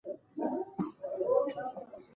پکتیکا زما ټاټوبی.